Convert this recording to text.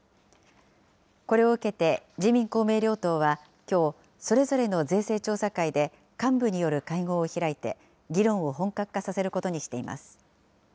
これを受けて、自民、公明両党はきょう、それぞれの税制調査会で幹部による会合を開いて議論を本格化させることにしています。